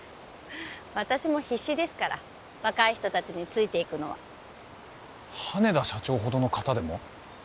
私も必死ですから若い人達についていくのは羽田社長ほどの方でも？